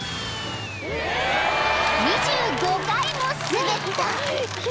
［２５回も滑った］